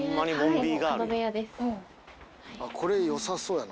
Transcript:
これよさそうやな。